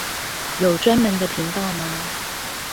有專門的頻道嗎